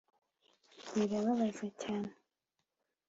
birabababaza cyane